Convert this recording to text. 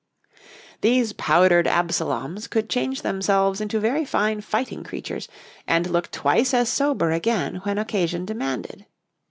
These powdered Absaloms could change themselves into very fine fighting creatures, and look twice as sober again when occasion demanded.